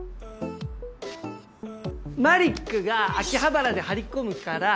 マリックが秋葉原で張り込むから。